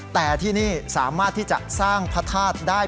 แต่ที่นี่สามารถที่จะสร้างพระธาตุได้